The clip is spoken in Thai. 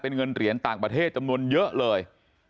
เป็นเงินเหรียญต่างประเทศจำนวนเยอะเลย